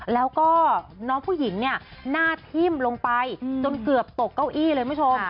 แล้วก็น้องผู้หญิงเนี่ยหน้าทิ่มลงไปจนเกือบตกเก้าอี้เลยคุณผู้ชม